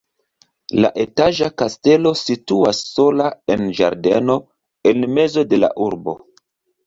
La etaĝa kastelo situas sola en ĝardeno en mezo de la urbo.